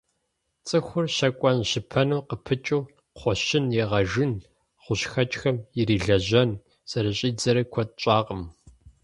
ЦӀыхур щэкӀуэн-щыпэным къыпыкӀыу, кхъуэщын игъэжын, гъущӀхэкӀхэм ирилэжьэн зэрыщӀидзэрэ куэд щӀакъым.